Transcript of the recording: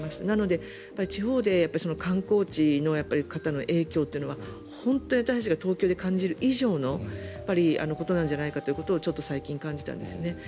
なので地方で観光地の方の影響っていうのは本当に私たちが東京で感じること以上のことなんじゃないかとちょっと最近感じたんですね。